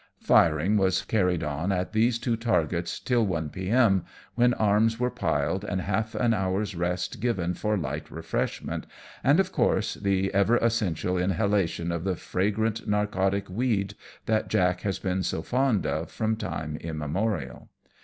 Firing was carried on at these two targets till 1 p.m.j when arms were piled, and half an hour's rest given for light refreshment, and, of course, the ever essential inhalation of the fragrant narcotic weed that Jack has been so fond of from time immemorial.